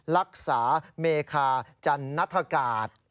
รักษาเมคาจันนัฐกาศ